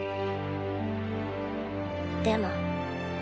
でも。